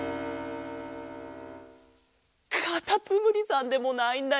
かたつむりさんでもないんだよ。